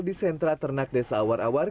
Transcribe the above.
di sentra ternak desa awar awar